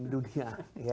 banyak pemimpin dunia